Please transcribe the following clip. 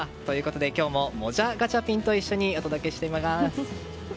今日ももじゃガチャピンと一緒に音時計しています。